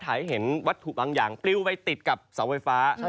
ให้เห็นวัตถุบางอย่างปลิวไปติดกับเสาไฟฟ้า